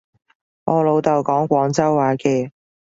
我老豆講廣州話嘅